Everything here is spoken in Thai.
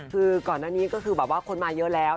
คือก่อนอันนี้ก็คือคนมาเยอะแล้ว